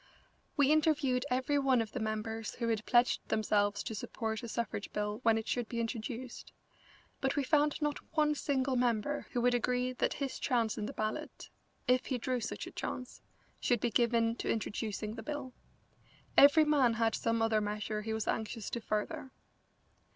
We interviewed every one of the members who had pledged themselves to support a suffrage bill when it should be introduced, but we found not one single member who would agree that his chance in the ballot, if he drew such a chance, should be given to introducing the bill. Every man had some other measure he was anxious to further.